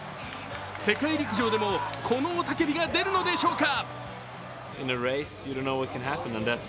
世界陸上でもこの雄たけびが出るのでしょうか。